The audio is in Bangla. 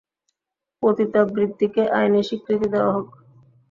পতিতাবৃত্তিকে আইনি স্বীকৃতি দেওয়া হোক।